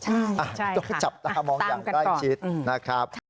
ใช่ต้องจับตามองอย่างใกล้ชิดนะครับ